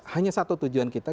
hanya satu tujuan kita